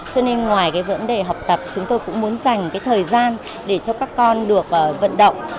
cho nên ngoài cái vấn đề học tập chúng tôi cũng muốn dành thời gian để cho các con được vận động